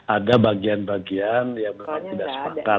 ada bagian bagian yang memang tidak sepakat